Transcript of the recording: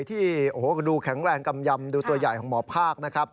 ที่โอ้โหดูแข็งแรงกำยำดูตัวใหญ่ของหมอภาคนะครับ